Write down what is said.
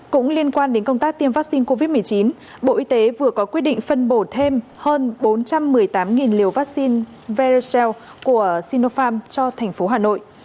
cũng liên quan đến công tác tiêm vaccine covid một mươi chín bộ y tế vừa có quyết định phân bổ thêm hơn bốn trăm một mươi tám liều vaccine vercel của sinopharm cho thành phố hà nội